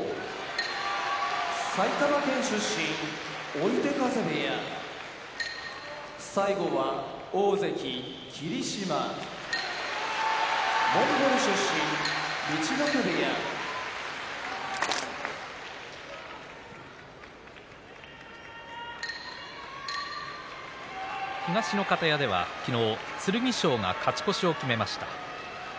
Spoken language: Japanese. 追手風部屋大関・霧島モンゴル出身陸奥部屋東の方屋では昨日剣翔が勝ち越しを決めました。